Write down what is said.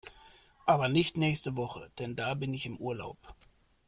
Aber nicht nächste Woche, denn da bin ich im Urlaub.